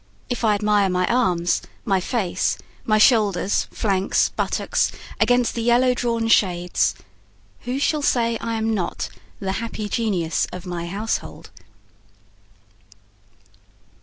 If I admire my arms, my face, my shoulders, flanks, buttocks against the yellow drawn shades, Who shall say I am not the happy genius of my household?